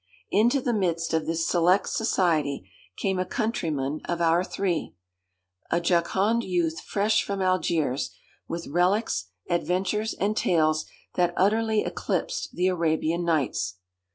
Into the midst of this select society came a countryman of our three, a jocund youth fresh from Algiers, with relics, adventures, and tales that utterly eclipsed the 'Arabian Nights.'